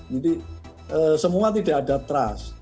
jadi semua tidak ada trust